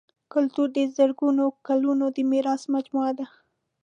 کلتور د زرګونو کلونو د میراث مجموعه ده.